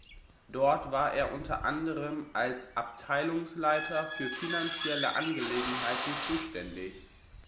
Dort war er unter anderem als Abteilungsleiter für finanzielle Angelegenheiten zuständig.